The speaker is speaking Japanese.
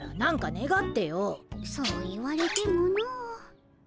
そう言われてもの。